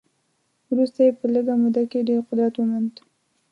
وروسته یې په لږه موده کې ډېر قدرت وموند.